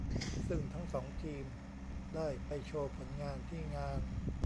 ซึ่งทั้งสองทีมได้ไปโชว์ผลงานที่งาน